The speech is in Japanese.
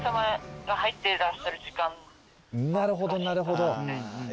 なるほどなるほど。